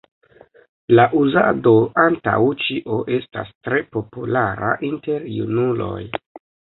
La uzado antaŭ ĉio estas tre populara inter junuloj.